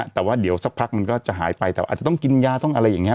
แต่ว่าเดี๋ยวสักพักมันก็จะหายไปแต่ว่าอาจจะต้องกินยาต้องอะไรอย่างนี้